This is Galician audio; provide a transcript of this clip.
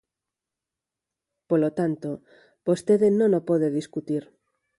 Polo tanto, vostede non o pode discutir.